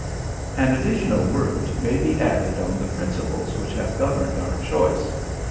An additional word may be added on the principles which have governed our choice.